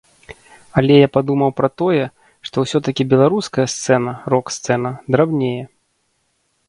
Але я падумаў пра тое, што ўсё-такі беларуская сцэна, рок-сцэна, драбнее.